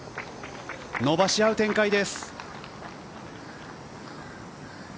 伸ばし合う展開です。